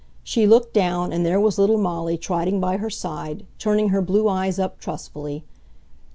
She looked down and there was little Molly trotting by her side, turning her blue eyes up trustfully.